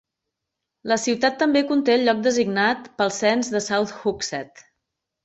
La ciutat també conté el lloc designat pel cens de South Hooksett.